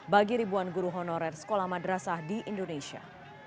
bagi ribuan guru honorer sekolah madrasah di indonesia